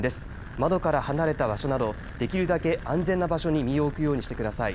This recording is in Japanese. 窓から離れた場所などできるだけ安全な場所に身を置くようにしてください。